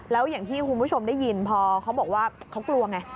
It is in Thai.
แล้วอย่างที่คุณผู้ชมได้ยินพอเขาบอกว่าเขากลัวไง